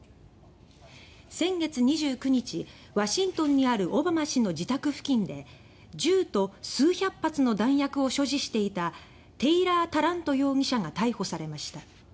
先月２９日ワシントンにあるオバマ氏の自宅付近で銃と数百発の弾薬を所持していたテイラー・タラント容疑者が逮捕されました。